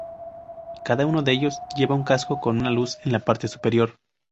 Cada uno de ellos lleva un casco con una luz en la parte superior.